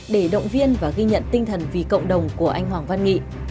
để động viên và ghi nhận tinh thần vì cộng đồng của anh hoàng văn nghị